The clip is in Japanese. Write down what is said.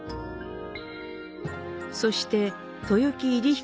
そして豊城入彦